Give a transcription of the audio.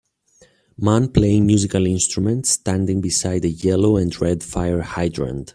Man playing musical instrument standing beside a yellow and red fire hydrant